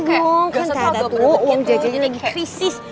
kan tata tuh uang jajanya lagi krisis